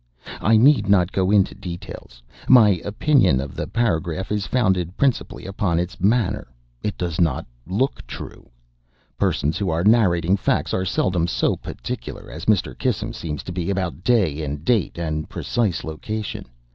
I need not go into details. My opinion of the paragraph is founded principally upon its manner. It does not look true. Persons who are narrating facts, are seldom so particular as Mr. Kissam seems to be, about day and date and precise location.